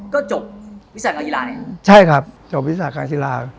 ก็จบวิสัยการยีลาเนี่ยใช่ครับจบวิสัยการยีลา